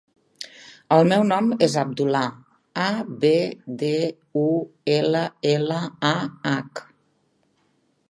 El meu nom és Abdullah: a, be, de, u, ela, ela, a, hac.